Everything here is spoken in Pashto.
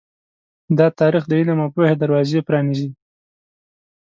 دا تاریخ د علم او پوهې دروازې پرانیزي.